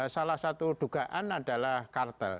salah satu dugaan adalah kartel